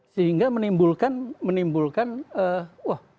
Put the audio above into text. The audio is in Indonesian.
sehingga menimbulkan menimbulkan wah